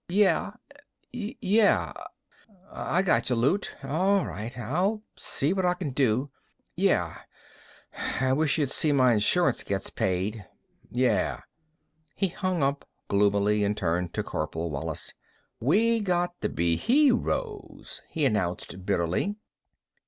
Yeh.... Yeh.... I gotcha, Loot. A'right, I'll see what I c'n do. Yeh.... Wish y'd see my insurance gets paid. Yeh." He hung up, gloomily, and turned to Corporal Wallis. "We' got to be heroes," he announced bitterly.